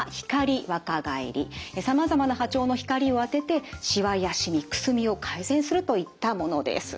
さまざまな波長の光を当ててしわやしみくすみを改善するといったものです。